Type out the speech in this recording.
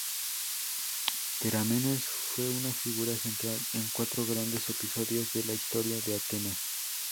Terámenes fue una figura central en cuatro grandes episodios de la historia de Atenas.